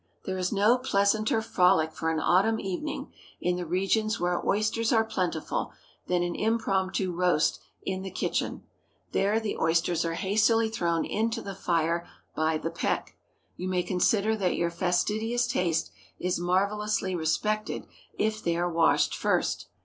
There is no pleasanter frolic for an Autumn evening, in the regions where oysters are plentiful, than an impromptu "roast" in the kitchen. There the oysters are hastily thrown into the fire by the peck. You may consider that your fastidious taste is marvellously respected if they are washed first.